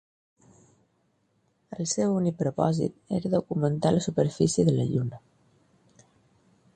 El seu únic propòsit era documentar la superfície de la Lluna.